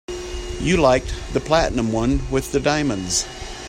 You liked the platinum one with the diamonds.